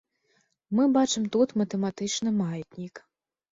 Мы бачым тут матэматычны маятнік.